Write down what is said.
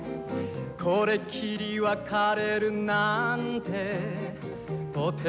「これきり別れるなんて」